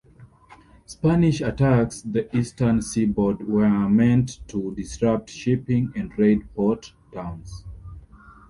Spanish attacks the eastern seaboard were meant to disrupt shipping and raid port towns.